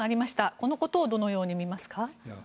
このことをどのように見ますか？